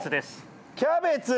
キャベツ！